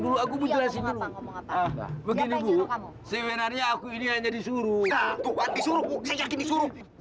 dulu aku bisa lagi duluelt kalau aku signingat aku norm sedih ak auchan disuruh dennis want